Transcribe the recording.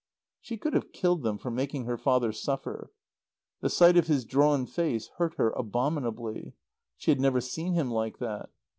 She could have killed them for making her father suffer. The sight of his drawn face hurt her abominably. She had never seen him like that.